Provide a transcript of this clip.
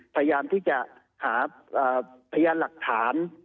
พยายามที่จะหาพยานหลักฐาน